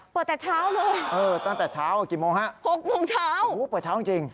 เปิดแต่เช้าเลยโอ้โฮเปิดเช้าจริง